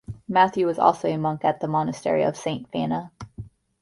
Matthew was also a monk at the Monastery of Saint Fana.